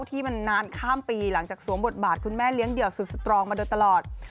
ที่มันนานข้ามปีหลังจากสวมบทบาทคุณแม่เลี้ยงเดี่ยวสุดสตรองมาโดยตลอด